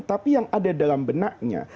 tapi yang ada dalam benaknya